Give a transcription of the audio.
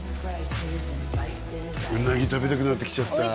うなぎ食べたくなってきちゃったああ